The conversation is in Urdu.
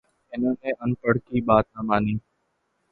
انہوں نے اَن پڑھ کی بات نہ مانی